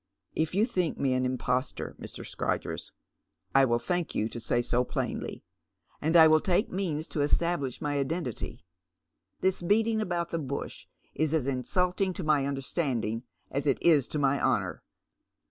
" If you think me an impostor, Mr. Scrodgers, I will thank you to say 80 plainly, and I will take means to establish my identity. This beating about the bush is as insulting to my imderstanding as it is to my honour."